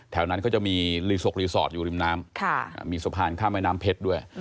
แถวนั้นเขาจะมีรีสกรีสอร์ทอยู่ริมน้ำมีสะพานข้ามแม่น้ำเพชรด้วย